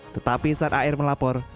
tetapi saat ar melapor